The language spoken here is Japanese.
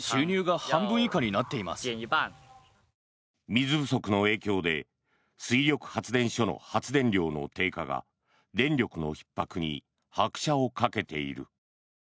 水不足の影響で水力発電所の発電量の低下が電力のひっ迫に拍車をかけている。